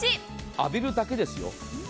浴びるだけですよ。